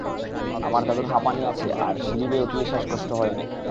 আমার দাদুর হাঁপানি আছে আর সিঁড়ি বেয়ে উঠলেই শ্বাস কষ্ট হয় অনেক।